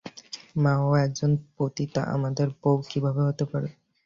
মা, ও একজন পতিতা, আমাদের বউ কিভাবে হতে পারে?